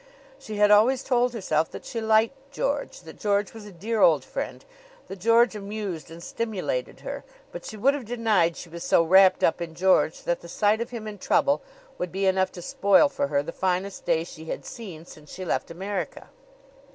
She had always told herself that she liked George, that George was a dear old friend, that George amused and stimulated her; but she would have denied she was so wrapped up in George that the sight of him in trouble would be enough to spoil for her the finest day she had seen since she left America.